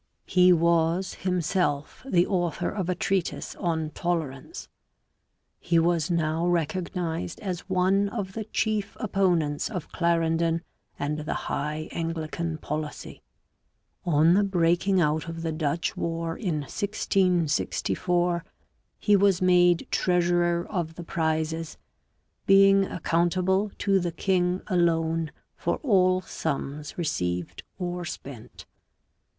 He was himself the author of a treatise on tolerance. He was now recog nized as one of the chief opponents of Clarendon and the High Anglican policy. On the breaking out of the Dutch War in 1664 he was made treasurer of the prizes, being accountable to the king alone for all sums received or spent.